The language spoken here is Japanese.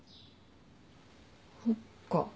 そっか。